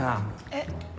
えっ？